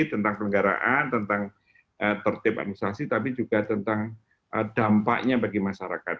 tentang kelenggaraan tentang tertib administrasi tapi juga tentang dampaknya bagi masyarakat